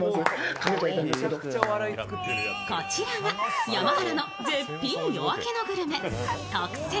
こちらが山はらの絶品夜明けのグルメ、特選！！